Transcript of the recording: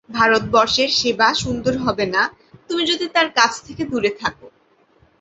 ভারতবর্ষের সেবা সুন্দর হবে না, তুমি যদি তাঁর কাছ থেকে দূরে থাক।